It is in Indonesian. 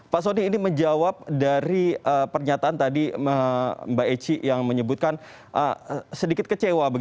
pak soni ini menjawab dari pernyataan tadi mbak eci yang menyebutkan sedikit kecewa